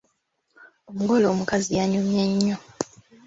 Omugole omukazi yanyumye nnyo.